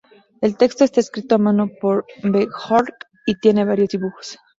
El texto está escrito a mano por Björk y tiene varios dibujos.